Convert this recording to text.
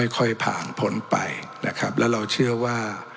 ค่อยผ่านผลไปและเราเชื่อว่า